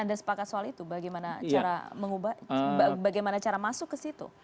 anda sepakat soal itu bagaimana cara masuk ke situ